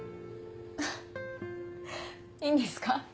アハいいんですか？